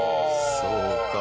そうか。